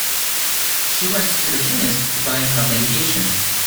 She went to to the chemist to buy her medication